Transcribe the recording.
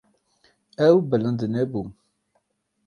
Ew bilind nebû.